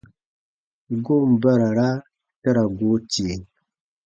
Goon barara ta ra goo tie.